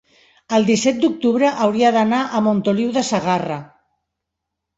el disset d'octubre hauria d'anar a Montoliu de Segarra.